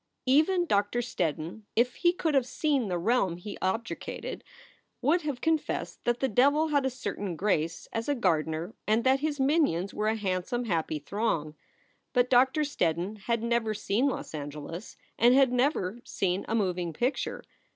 Even Doctor Steddon, if he could have seen the realm he objurgated, would have confessed that the devil had a certain grace as a gardener and that his minions were a handsome, happy throng. But Doctor Steddon had never seen Los Angeles and had never seen a moving picture.